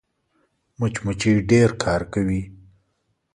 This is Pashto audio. مچمچۍ ډېر کار کوي